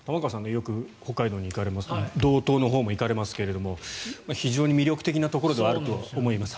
よく北海道に行かれますが道東のほうも行かれますが非常に魅力的なところではあると思います。